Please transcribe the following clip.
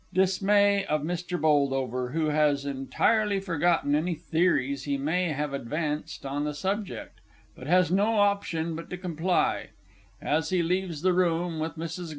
[Dismay of Mr. B., who has entirely forgotten any theories he may have advanced on the subject, but has no option but to comply; as he leaves the room with MRS.